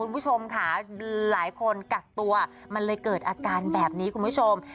แบบคุณผู้ชม